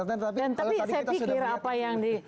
tapi saya pikir apa yang di